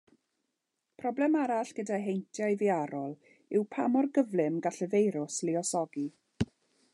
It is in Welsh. Problem arall gyda heintiau firaol yw pa mor gyflym gall y firws luosogi.